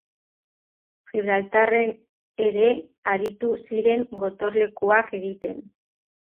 Gibraltarren ere aritu ziren gotorlekuak egiten.